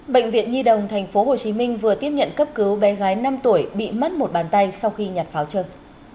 bệnh viện nhi đồng tp hcm vừa tiếp nhận cấp cứu bé gái năm tuổi bị mất một bàn tay sau khi nhặt pháo chân